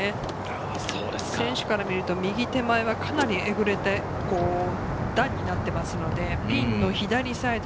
選手から見ると、右手前はかなりエグれて、段になっていますので、ピンの左サイド。